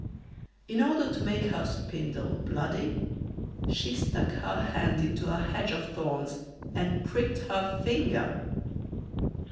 In order to make her spindle bloody, she stuck her hand into a hedge of thorns and pricked her finger.